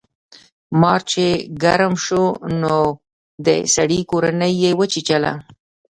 مار چې ګرم شو نو د سړي کورنۍ یې وچیچله.